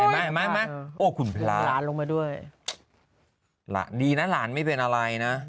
มั้ยมั้ยมั้ยโอ้คุณพลาดล้านลงมาด้วยล่ะดีน่ะหลานไม่เป็นอะไรน่ะ